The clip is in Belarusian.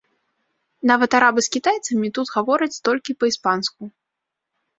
Нават арабы з кітайцамі тут гавораць толькі па-іспанску.